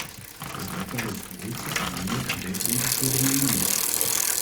Europa heeft behoefte aan meer en betere investeringen in onderwijs.